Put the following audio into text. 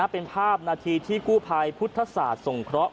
เป็นภาพนาทีที่กู้ภัยพุทธศาสตร์สงเคราะห